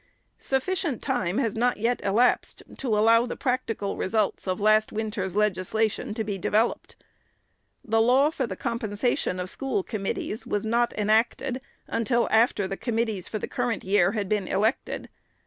Sufficient time has not yet elapsed to allow the practi cal results of last winter's legislation to be developed. The law for the compensation of school committees was not enacted, until after the committees for the current year had been elected.